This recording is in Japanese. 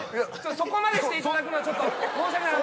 そこまでしていただくのはちょっと申し訳ない。